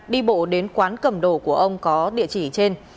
đi bộ đến quán cầm đồ của ông có địa chỉ trên